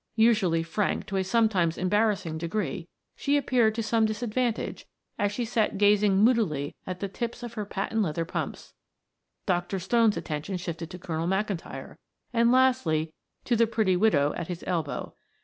Usually frank to a sometimes embarrassing degree, she appeared to some disadvantage as she sat gazing moodily at the tips of her patent leather pumps. Dr. Stone's attention shifted to Colonel McIntyre and lastly to the pretty widow at his elbow.